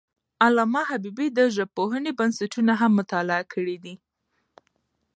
علامه حبیبي د ژبپوهنې بنسټونه هم مطالعه کړي دي.